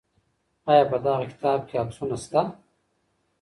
آیا په دغه کتاب کي عکسونه شته؟